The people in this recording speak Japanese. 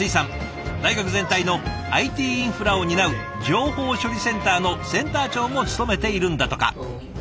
大学全体のＩＴインフラを担う情報処理センターのセンター長も務めているんだとか。